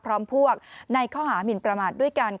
พร้อมพวกในข้อหาหัวหมินประมาท